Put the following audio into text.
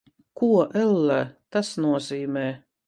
Ko, ellē, tas nozīmē?